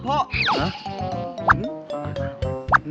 หรือหัวพ่อ